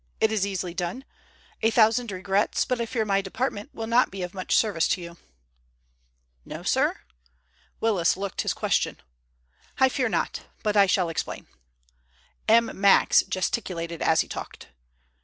It is easily done. A thousand regrets, but I fear my department will not be of much service to you." "No, sir?" Willis looked his question. "I fear not. But I shall explain," M. Max gesticulated as he talked.